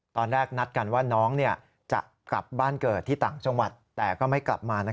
ตอนแรกนัดกันว่าน้องจะกลับบ้านเกิดที่ต่างจังหวัดแต่ก็ไม่กลับมา